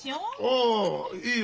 ああいいよ